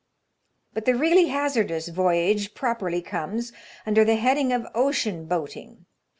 But the really hazardous voyage properly comes under the heading of ocean boating.